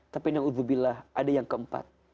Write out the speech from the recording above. tapi yang uthubillah ada yang keempat